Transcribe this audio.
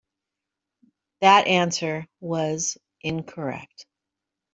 That answer was incorrect.